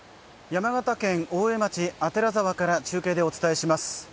山形県大江町左沢からお伝えします。